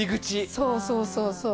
そうそうそうそう。